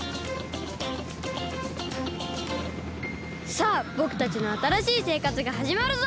さあぼくたちのあたらしいせいかつがはじまるぞ！